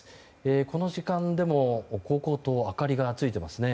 この時間でも、こうこうと明かりがついていますね。